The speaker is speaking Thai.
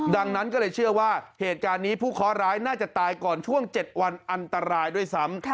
ดังนั้นก็เลยเชื่อว่าเหตุการณ์นี้ผู้เคาะร้ายน่าจะตายก่อนช่วง๗วันอันตรายด้วยซ้ำ